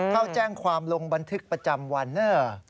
เข้าแจ้งความลงบันทึกประจำวัน